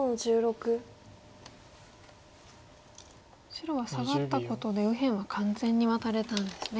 白はサガったことで右辺は完全にワタれたんですね。